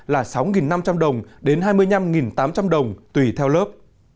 là sáu năm trăm linh đồng đến hai mươi năm tám trăm linh đồng tùy theo lớp